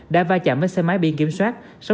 đã va chạm với xe máy biên kiểm soát